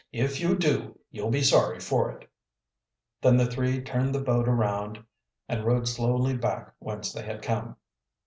If you do, you'll be sorry for it." Then the three turned the boat around and rowed slowly back whence they had come.